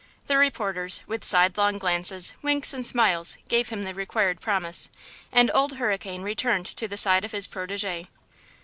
The reporters, with sidelong glances, winks and smiles, gave him the required promise, and Old Hurricane returned to the side of his protégée.